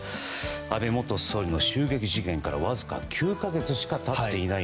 安倍元総理の襲撃事件からわずか９か月しか経っていない。